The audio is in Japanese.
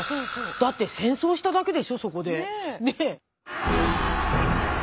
だって戦争しただけでしょそこでねえ。